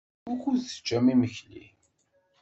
Wukud teččam imekli?